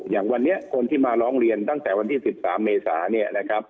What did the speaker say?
อย่างวันนี้คนที่มาร้องเรียนตั้งแต่วันที่๑๓เมษาเนี่ยนะครับ